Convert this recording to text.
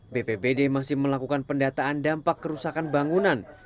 bppd masih melakukan pendataan dampak kerusakan bangunan